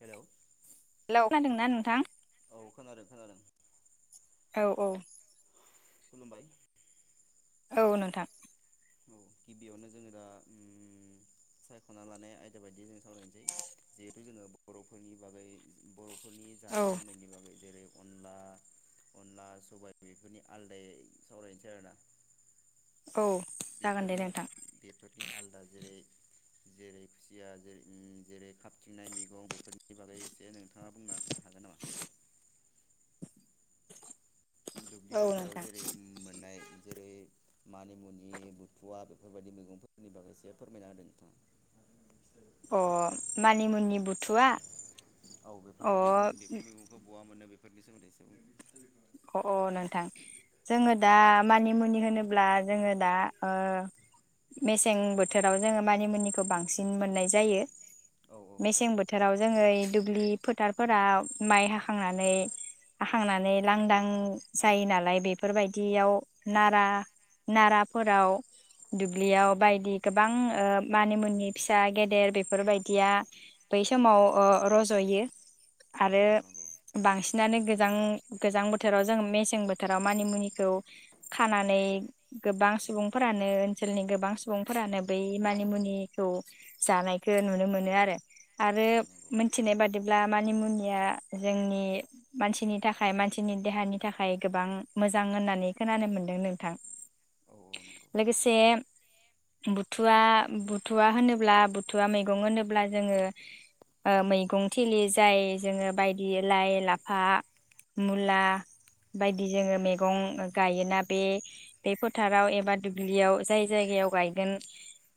Hello खोनादों ना नोंथां? औ खोनादों खोनादों औ औ खुलुमबाय। औ नोंथां औ गिबियावनो जोङो दा उम सायख'ना लानाय आयदा बायदि जों सावरायनोसै जिहेथु जोङो बर'फोरनि बागै बर' फोरनि औ जानाय लोंनायनि बागै जेरै अनला अनला सबाय बेफोरनि आलदायै सावरायनोसै आरोना औ जागोन दे बेफोरनि नोंथां बेफोरनि आलदा जेरै जेरै खुसिया जेरै खाबथिंनाय मैगं बेफोरनि बागै एसे नोंथाङा बुंनो हागोन नामा? दुब्लि औ फोथाराव नोंथां जेरै मोननाय जेरै मानि बा बेफोरबायादि मैगंफोरनि बागै एसे फोरमायना होदों नोंथाङा अ मानिमुनि बुथुवा औ अ बेफोरबायदि बेफोर मैगंखौ बहा मोनो बे निसाय [unintelligible] अ अ नोंथां जोङो दा मानि मुनि होनोब्ला जोङो दा ओ मेसें बोथोराव जोङो मानि मुनिखौ बांसिन मोन्नाय जायो औ मेसें बोथोराव जोङो दुब्लि फोथारफोराव माइ हाखांनानै आहांनानै लांदां जायो नालाय बेफोरबायदियाव नारा नाराफोराव औ दुब्लियाव बायदि गोबां ओ मानि मुनि फिसा गेदेर बेफोरबायदिया बै समाव ओ रजयो औ आरो औ नंगौ बांसिनानो गोजां गोजां बोथोराव जों मेसें बोथोराव मानिमुनिखौ खानानै गोबां सुबुंफोरानो ओनसोलनि गोबां सुबुंफोरानो बै मानिमुनिखौ जानायख नुनो मोनो आरो आरो औ नंगौ मोनथिनाय बादि ब्ला मानि मुनिया जोंनि मानसिनि थाखाय मानसिनि देहानि थाखाय गोबां मोजां होननानै खोनानो मोनदों नोंथां औ औ नंगौ लोगोसे बुथुवा बुथुवा होनोब्ला बुथुवा मैगं होनोब्ला जोङो ओ मैगं थिलि जाय जोङो बायदि लाइ लाफा मुला बायदि जोङो मेगं गायोना बे बे फोथाराव एबा दुब्लियाव जाय जायगायाव गायगोन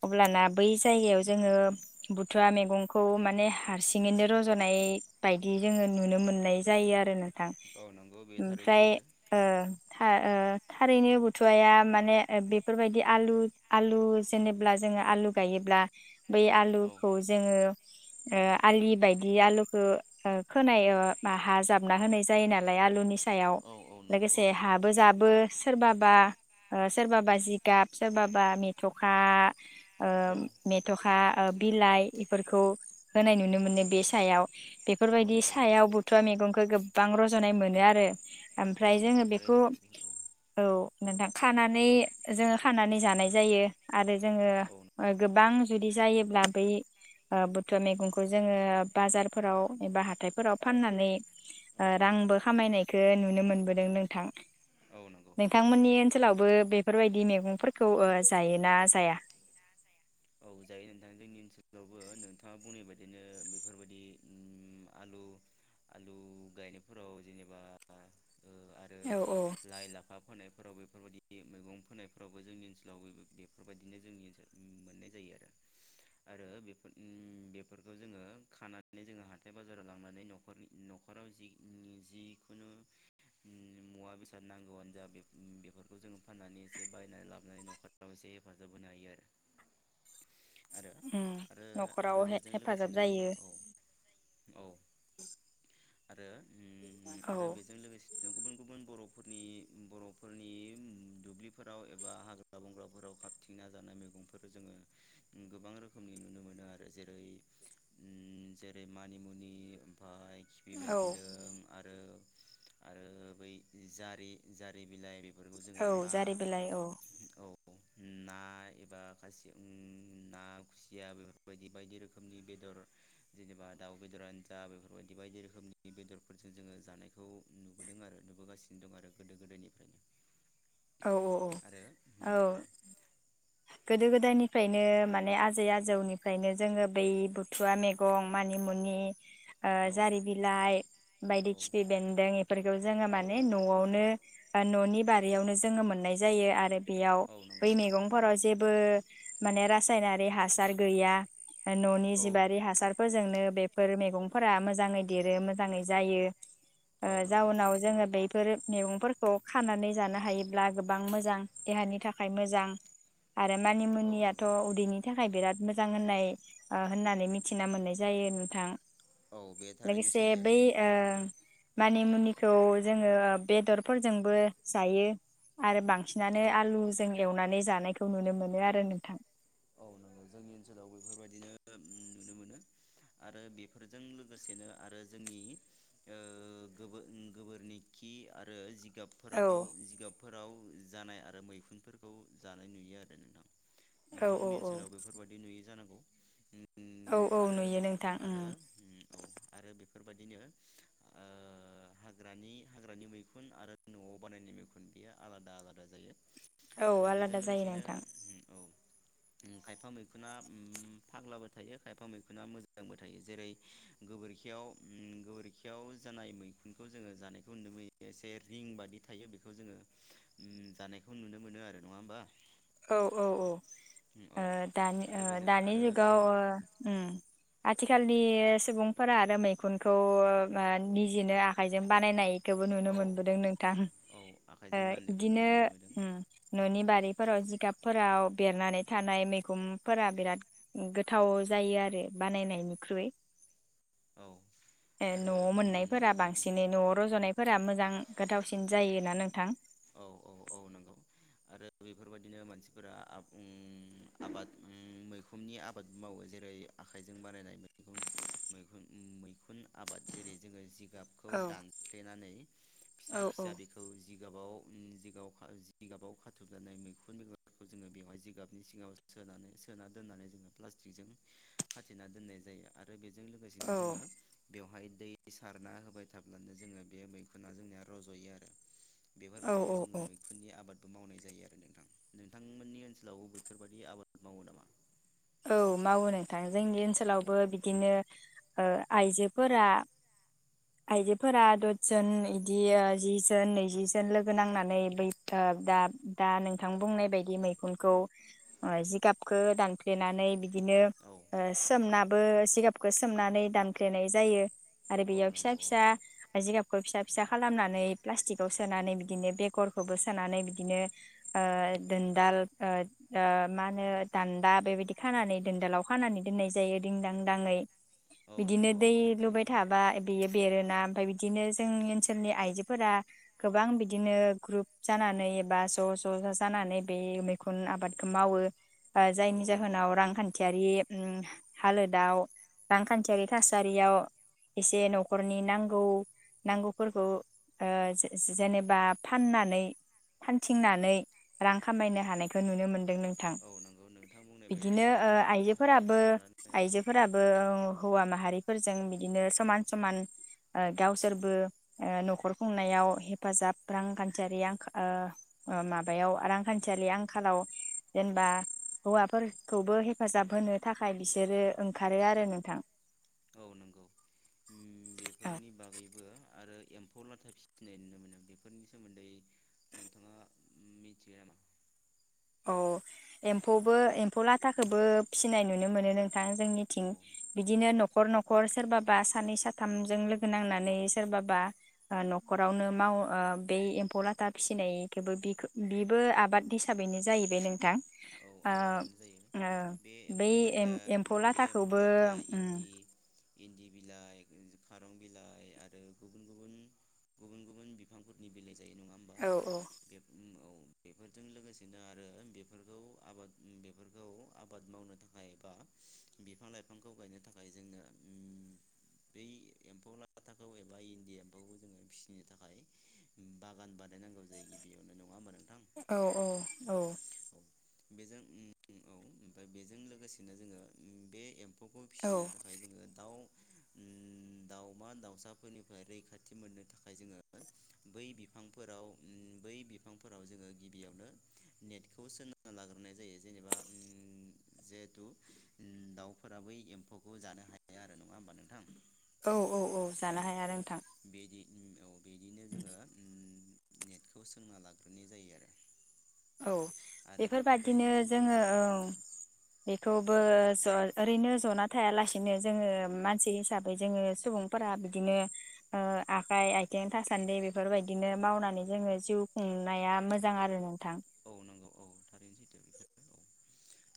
अब्लाना बै जायगायाव जोङो बुथुवा मेगंखौ माने हारसिङैनो रजनाय बायदि जोङो नुनो मोननाय जायो आरो नो थां औ नंगौ बे थारैनो ओमफ्राय सैथो ओ था ओ थारैनो बुथुवाया माने ओ बेफोरबायदि आलु आलु जेनेल्बा जोङो आलु गायोब्ला बै औ आलुखौ जोङो ओ आलि बायदि आलुखो ओ खोनायो बा हा जाबना होनाय जाय जायो नालाय आलुनि सायाव औ औ नंगौ औ लोगोसे हाबो जाबो सोरबाबा ओ सोरबाबा जिगाब सोरबाबा मेथखा ओ औ मेथ'खा मेथखा ओ बिलाइ बेफोरखौ होनाय नुनो मोनो बे सायाव औ बेफोरबायदि नंगौ सायाव बुथुवा मैगंखौ [unintelligible] बां रजनाय मोनो आरो औ आमफ्राय नंगौ जोङो थारैनो बेखौ सैथो बेफोर औ औ नोथां खानानै जोङो खानानै जानाय जायो आरो जोङो औ ओ नंगौ गोबां जुद बि जायोब्ला बै ओ बुथुवा ओ मैगंखौ जोङो बाजारफोराव एबा हाथाइफोराव फाननानै औ ओ रांबो खामायनायखौ नुनो मोनबोदों नोंथां औ नंगौ नोंथांमोननि ओनसो ओनसोलावबो बेफोरबायदि मैगंफोरखौ ओ जायोना जाया औ जायो नोंथां जोंनि ओनसोलावबो नोंथाङा बुंनाय बादिनो बेफोरबायदि उम आलु आलु गायनायफोराव जेनेबा ओ आरो औ औ लाइ लाफा फोनाय फोराव बेफोरबायदि मैगं फोनायफोरावबो जोंनि ओनसोलाव बेफोरबायदिनो जोंनि ओनसोल मोननाय जायो आरो आरो बे ओन बेफोरखौ जोङो खानानै जोङो हाथाय बाजाराव लांनानै नखरनि न'खराव जि जिखुनु मुवा बेसाद नांगौआनो जा बेफोरखौ जोङो फाननानै एसे बायनानै लाबोनानै न'खराव एसे हेफाजाब होनो हायो आरो आरो ओम आरो आरो न'खराव बेजों हे-हेफाजाब लोगोसेनो जायो औ औ [unintelligible] औ ओ बेजों लोगोसे गुबुन गुबुन बर' नि बर'फोरनि दुब्लिफोराव एबा हाग्रा बंग्राफोराव खाबथिंना जानाय मैगंफोर जोङो गोबां रोखोमनि नुनो मोनो आरो जेरै ओ जेरै मानिमुनि ओमफाय खिफि औ बेन्दों आरो आरो बै जारि जारि बिलाइ बेफोरखौ औ जोङो ना जारि बिलाइ औ औ ना एबा खासियाव ना खुसिया बेफोरबायदि बायदि रोखोमनि बेदर जेनेबा दाउ बेदरानो जा बेफोरबायदि बायदि रोखोमनि बेदरफोरजों जोङो जानायखौ नुबोदों आरो नुबोगासिनो दं आरो गोदो गोदायनिफ्रायनो औ औ आरो औ औ गोदो गोदायनि फ्रायनो माने आजै आजौनिफ्रायनो जोङो बै बुथुवा मैगं मानिमुनि ओ औ जारि बिलाइ बायदि खिफि बेन्दों बेफोरखौ जोङो औ माने औ न'आवनो न'नि बारियावनो जोङो मोननाय जायो आरो बेयाव औ बै नंगौ औ मैगंफोराव जेबो माने रासायनारि हासार गैया न'नि औ जिबारि हासारफोरजोंनो बेफोर मैगंफोरा मोजाङै देरो मोजाङै जायो। ओ नंगौ जाउनाव जोङो बे गोरोब मैगंफोरखौ खानानै जानो हायो। ब्ला गोबां मोजां देहानि थाखाय मोजां आरो मानि औ मुनियाथ' नंगौ उदैनि थाखाय बिराद मोजां होननाय होननानै मिथिना मोननाय जायो नोंथां। औ बे थारैनो लोगोसे सैथो औ बै ओ मानि मुनिखौ जोङो बेदरफोरजोंबो जायो। आरो बां सिनानै औ आलु जों एवनानै जानायखौ नुनो मोनो आरो नोंथां औ नंगौ जोंनि ओनसोलाव बेफोरबायदिनो नुनो मोनो आरो बेफोरजों लोगोसेनो आरो जोंनि गो- गोबोरनि खि आरो जि औ जिगाबफोराव जिगाबफोराव जानाय आरो मैखुनफोरखौ जानाय नुयो आरो नोंथां औ नोंथांमोननि औ ओनसोलाव बेफोरबादि नुयो जानांगौ औ ओम औ आरो नुयो बेखौ नोंथां उम आरो औ आरो बेख बेफोरबायदिनो ओ हाग्रानि हाग्रानि मैखुन आरो नआव बानायनाय मैखुन बे आलादा आलादा जायो। औ आरो बेजों आलादा जायो लोगोसेनो नोंथां उम औ उम खायफा मैखुना उम फाग्लाबो थायो खायफा मैखुना मोजांबो थायो जेरै गोबोरखियाव उम गोबोरखियाव जानाय मैखुनखौ जोङो जानायखौ नुनो मोनो एसे रिं बादि थायो बेखौ जोङो उम जानायखौ नुनो मोनो आरो नङा होमबा। औ औ औ ओ औ दानि आरो बेजों दानि आरो औ जुगाव ओ ओम आथिखालनि सुबुंफोरा आरो मै खुनखौ निजोनो आखाइजों बानायनाय खौबो नुनो औ मोनबोदों नोंथां औ ओ आखाइजों बानायनायखौ नुनो इदिनो मोनदों ओम न'नि बारि जिगाबफोराव बेरनानै थानाय मैखुमफोरा बिराद गोथाव जायो आरो बानायनायनिख्रुइ। औ ए आरो न'आव उम मोननायफोरा औ बांसिनै न' आव रजनायफोरा मोजां गोथावसिन जायो। ना नोंथां औ औ औ नंगौ आरो बेफोरबायदिनो मानसिफोरा आब ओम आबाद ओम मैखुननि आबाद मावो जेरै आखाइजों बानायनाय मैैखुन मैखुन मैखुन आबाद जेरै जोङो जि गाबखौ औ दानफ्लेनानै औ फिसा औ फिसा बेखौ जिगाबाव ओम जिगाबाव जिगाबाव खाथबनानै मैखुन बिगखौ जोङो बेवहाय जिगाबनि सिङाव सोनानै सोना दोननानै जोङो प्लास्टिकजों खाथेना दोननाय जायो आरो बे जों लोगोसेनो जोङो बेवहाय दै सारना होबाय थाब्लानो जोङो बे मैखुना जोंनिया रजयो आरो। औ बिदिनो जोङो औ औ मैखुननि आबाद मावनाय जायो आरो नोंथां नोंथांमोननि ओनसोलाव बेफोरबादि आबाद मावो नामा? औ मावो नोंथां। जोंनि औ ओनसोलावबो बिदिनो ओ आइजोफोरा आइजोफोरा दसजोन इदि जि जोन नैजि जोन लोगो नांनानै बै ओदा दा नोंथां बुंनाय बायदि मैखुनखौ जिगाबखो दानफ्ले देनानै बिदि बिदिनो औ ओ सोमना बो जिगाबखौ सोमनानै दानफ्लेनाय जायो। आरो औ बेयाव फिसा नंगौ फिसा जिगाबखौ फिसा फिसा खालामनानै प्लास्टिकआव सोनानै बिदिनो बेगरखौबो सोनानै बिदिनो ओ दोनदाल ओ ओ मा होनो दानदाब बेबायदि खानानै दोनदोलाव खानानै दोननाय जायो दिंदां दाङै। औ बिदिनो नंगौ औ दै थारैनो लुबाय सैथो थाबा बेयो बेरोना ओमफफ्राय बिदिनो जोंनि ओनसोलनि आइजोफोरा गोबां बिदिनो ग्रुप जानानै एबा ज ज ज जानानै बे मैखुन आबादखौ मावो बा औ जायनि औ जा नंगौ जाहोनाव रांखान्थियारि उम हालोदाव रांखान्थियारि थासारियाव एसे नखरनि नांगौ नांगौफोरखौ ओ जे-जेनेबा फाननानै फानथिंनानै रां खामायनो हानायखौ नुनो मोन दों नोंथां। औ नंगौ नोंथां बुंनाय बिदिनो ओ बायदिबो थार आइजोफोराबो थारानो आइजोफोराबो ओ हौवा माहा हारिफोरजों बिदिनो समान समान ओ गावसोरबो ओ नखर खुंनायाव हेफाजाब रांखान्थियारि आंख ओ ओ माबायाव रांखान्थियारि आंखालाव जेनेबा हौवा फोरखौबो हेफाजाब होनो थाखाय बिसोरो ओंखारो आरो नोंथां। औ नंगौ। उम ओ बेफोरनि बागैबो आरो एम्फौ लाथा फिसिनाय नुनो मोनो बेफोरनि सोमोन्दै नोंथाङा मिथियो नामा? औ एम्फौबो एम्फौ लाथाखौबो फिसिनाय नुनो मोनो नों थां जोंनिथिं। औ बिदिनो न खर न'खर सोरबाबा सानै साथामजों लोगो नांनानै सोरबाबा ओ न'खरावनो माव ओ बे एम्फौ लाथा फिसिनायखौबो बिखो बिबो आबाद हिसाबैनो जाहैबाय नोंथां। औ आ आबादानो जायो ओ बे बै एम्फौ लाथाया एम-एम्फौ बे एम्फौ लाथाखौबो लाथाया ओम। इन्दि इन्दि बिलाइ, खारं बिलाइ आरो गुबुन गुबुन गुबुन गुबुन बिफांफोरनि बिलाइजों ए नङा होमबा। औ बे भुमआव बेफोरजों लोगोसेनोआरो बेफोरखौ आबाद बेफोरखौ आबाद मावनो थाखाय बा बिफां लाइफांखौ गायनो थाखाय जोंनो उम बै एम्फौ लाथाखौ एबा इन्दि एम्फौखौ जोङो फिसिनो थाखाय बागान बानायनांगौ जायो बेयावनो नङा होनबा औ औ औ बेजों उम औ ओमफ्राय बेजों लोगोसेनो जोङो उम बे एम फौखौ औ फिनो थाखाय जोङो दाउ उम दाउमा, दाउसाफोरनिफ्राय रैखाथि मोननो थाखाय जोङो बै बिफांफोराव उम बै बिफांफोराव जोङो गिबियावनो नेटखौ सोंना लाग्रोनाय जायो जेनेबा उम जिहेथु उम दाउफोरा बै एम्फौखौ जानो हाया आरो नङा होमबा नोंथां? औ औ औ जानो हाया आरो नोंथां। उम औ बिदिनो जोङो उम नेटखौ सोंना लाग्रोनाय जायो आरो औ आरो बेफोरबादिनो बेफोरबायदिनो जोङो ओ बे थोवबो ज' ओरैनो जना थायालासिनो जोङो मानसि हिसाबै जोङो सुबुंफोरा बिदिनो ओ आखाइ, आथिं थासान्दि बेफोरबायदिनो मावनानै जोङो जिउ खुंनाया मोजां आरो नोंथां। औ नंगौ औ थारैनो सैथो बेफोरो औ।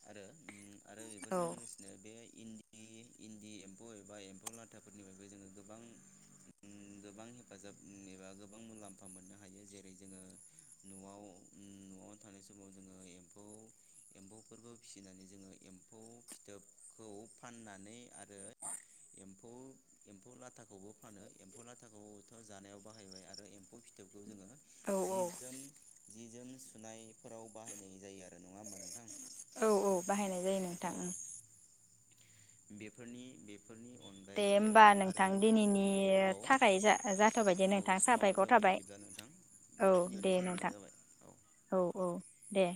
आरो ओम आरो औ बेफोरजों लोगोसेनो बे इन इ-इन्दि एम्फौ एबा एम्फौ लाथाफोरनिफ्रायबो जोङो गोबां ओम गोबां हेफाजाब ओम एबा गोबां मुलाम्फा मोननो हायो। जेरै जोङो न'आव ओम न'आव थानाय समाव जोङो एम्फौ एम्फौफोरबो फिसिनानै जोङो एम्फौ फिथोबखौ फाननानै आरो एम्फौ एम्फौ लाथाखौबो फानो एम्फौ लाथाखौथ' जानायाव बाहायबाय आरो एम्फौ फिथोब खौ जोङो औ जि, जोम जि जोम सुनायफोराव बाहायनाय जायो आरो नङा होमबा नोंथां? औ औ बाहायनाय जायो नोंथां औ ओम। बेफोरनि बे दे होमबा नोंथां दिनैनि औ थाखाय जा जाथ' बायदे औ नोंथां समाबो साबायखर जाबाय थाबाय। बिदिब्ला नोंथां औ दे बेखिनियावनो फोजोबनाय नोंथां जाबाय औ औ औ। दे।